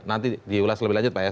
nanti diulas lebih lanjut pak ya